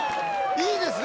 いいですね